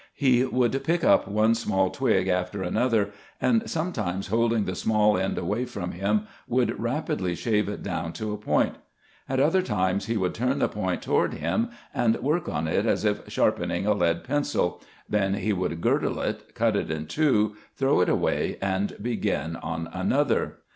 He would pick up one small twig after another, and sometimes holding the small end away from him would rapidly shave it down to a point ; at other times he would turn the point toward him and work on it as if sharpening a lead pencil; then he would girdle it, cut it in two, throw it away, and begin on another.